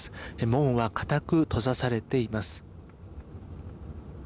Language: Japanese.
門は固く閉ざされています。